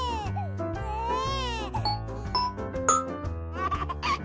アハハッ。